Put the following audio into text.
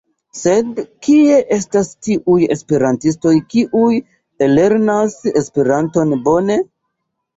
Sed kie estas tiuj esperantistoj kiuj ellernas Esperanton bone?